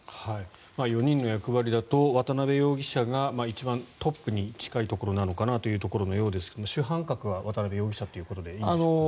４人の役割だと渡邉容疑者が一番トップに近いところなのかなということのようですが主犯格は渡邉容疑者ということでいいんでしょうか。